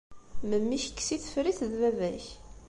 Memmi-k, kkes-it, ffer-it, d baba-k.